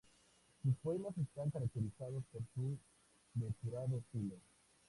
Sus poemas están caracterizados por su depurado estilo.